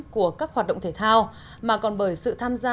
của các hoạt động thể thao mà còn bởi sự tham gia